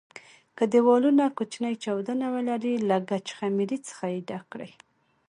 که دېوالونه کوچني چاودونه ولري له ګچ خمېرې څخه یې ډک کړئ.